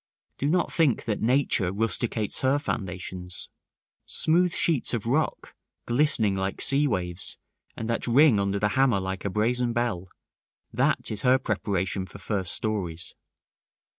Do not think that nature rusticates her foundations. Smooth sheets of rock, glistening like sea waves, and that ring under the hammer like a brazen bell, that is her preparation for first stories.